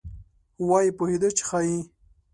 وایي پوهېده چې ښایي.